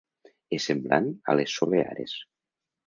És semblant a les "Soleares".